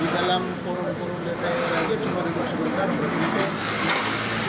di dalam forum forum dpr aja cuma rekor sekolah